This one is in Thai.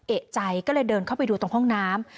เอกใจก็เลยเดินเข้าไปดูตรงห้องน้ำ